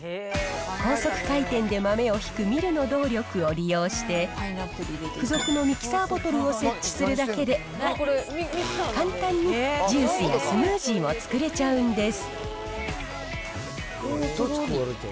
高速回転で豆をひくミルの動力を利用して、付属のミキサーボトルを設置するだけで、簡単にジュースやスムージーを作れちゃうんです。